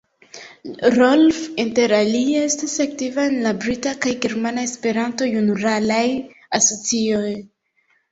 Rolf interalie estas aktiva en la brita kaj germana Esperanto-junularaj asocioj.